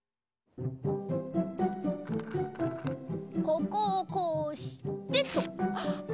ここをこうしてっと。